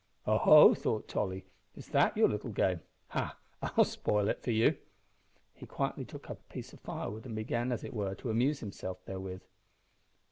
"Oho!" thought Tolly, "is that your little game? Ha! I'll spoil it for you!" He quietly took up a piece of firewood and began, as it were, to amuse himself therewith.